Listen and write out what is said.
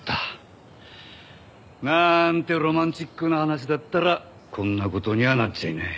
なーんてロマンチックな話だったらこんな事にはなっちゃいない。